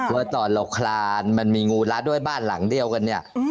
ว่าตอนเราคลานมันมีงูละด้วยบ้านหลังเดียวกันเนี่ย